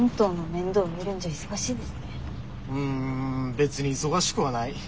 別に忙しくはない。